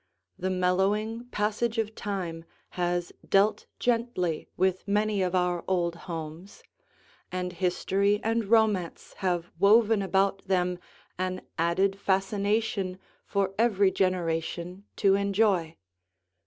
The mellowing passage of time has dealt gently with many of our old homes, and history and romance have woven about them an added fascination for every generation to enjoy.